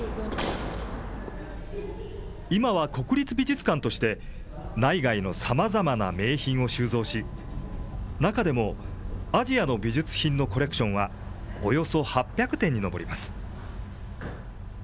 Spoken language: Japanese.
今は国立美術館として、内外のさまざまな名品を収蔵し、中でも、アジアの美術品のコレクションは、およそ８００点に上ります。